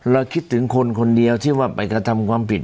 คิดถึงคนคนเดียวที่ว่าไปกระทำความผิด